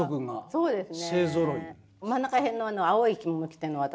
そうですね。